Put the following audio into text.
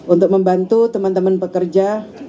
untuk membantu teman teman pekerja